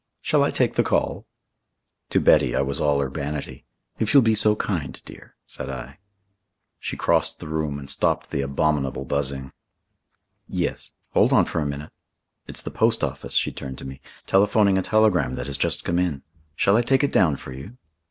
"Shall I take the call?" To Betty I was all urbanity. "If you'll be so kind, dear," said I. She crossed the room and stopped the abominable buzzing. "Yes. Hold on for a minute. It's the post office" she turned to me "telephoning a telegram that has just come in. Shall I take it down for you?"